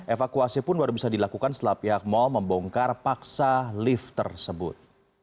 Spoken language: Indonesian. evakuasi pun baru bisa dilakukan setelah pihak mall membongkar paksa lift tersebut